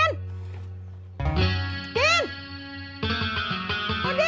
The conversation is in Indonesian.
ngapain lu deketin orang lain udin